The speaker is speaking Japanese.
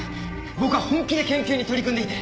僕は本気で研究に取り組んでいて。